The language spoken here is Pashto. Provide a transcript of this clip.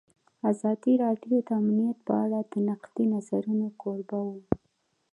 ازادي راډیو د امنیت په اړه د نقدي نظرونو کوربه وه.